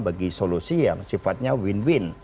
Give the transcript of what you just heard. bagi solusi yang sifatnya win win